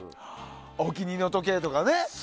お気に入りの時計とかね。